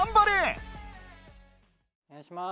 お願いします！